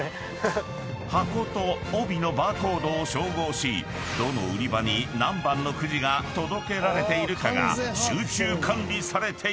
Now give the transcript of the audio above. ［箱と帯のバーコードを照合しどの売り場に何番のくじが届けられているかが集中管理されていたのだ］